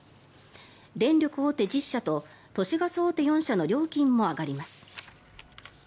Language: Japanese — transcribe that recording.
電力大手１０社と都市ガス大手４社の料金も上がります。